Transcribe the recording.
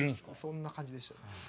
そんな感じでしたね。